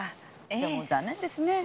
でも残念ですね。